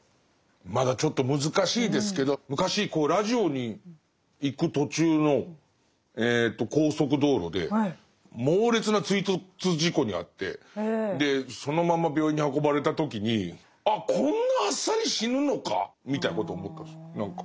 まだちょっと難しいですけど昔ラジオに行く途中の高速道路で猛烈な追突事故に遭ってでそのまま病院に運ばれた時にあこんなあっさり死ぬのかみたいなことを思ったんです何か。